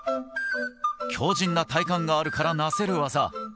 強靭な体幹があるからこそなせる技。